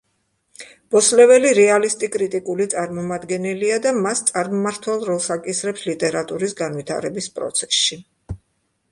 ბოსლეველი რეალისტი კრიტიკული წარმომადგენელია და მას წარმმართველ როლს აკისრებს ლიტერატურის განვითარების პროცესში.